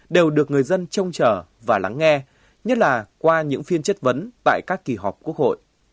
đều được người dân trông chờ và lắng nghe nhất là qua những phiên chất vấn tại các kỳ họp quốc hội